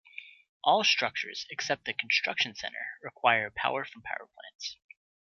All structures except the Construction Center require power from power plants.